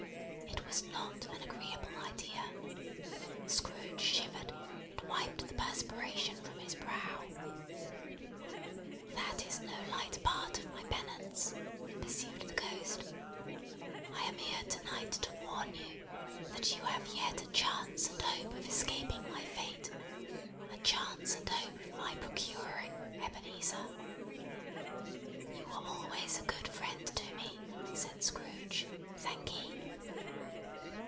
It was not an agreeable idea. Scrooge shivered, and wiped the perspiration from his brow. "That is no light part of my penance," pursued the Ghost. "I am here to night to warn you, that you have yet a chance and hope of escaping my fate. A chance and hope of my procuring, Ebenezer." "You were always a good friend to me," said Scrooge. "Thank'ee!"